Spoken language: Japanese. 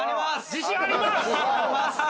自信あります！